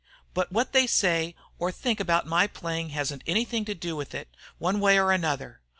But what they say or think about my playing hasn't anything to do with it, one way or another.